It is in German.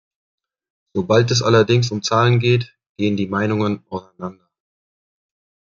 Sobald es allerdings um Zahlen geht, gehen die Meinungen auseinander.